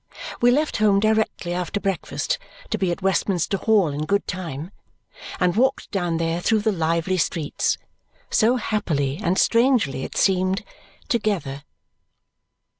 We left home directly after breakfast to be at Westminster Hall in good time and walked down there through the lively streets so happily and strangely it seemed! together.